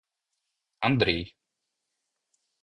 Андрей